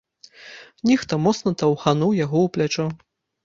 Нехта моцна таўхануў яго ў плячо.